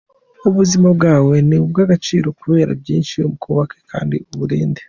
Ubuzima bwawe ni ubw’agaciro kuri benshi, ubwubahe kandi uburinde.